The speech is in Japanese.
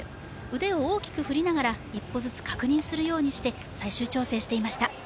腕を大きく振りながら、一歩ずつ確認するようにして最終調整していました。